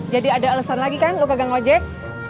jadi ada alasan lagi kan lu kagak ngelajek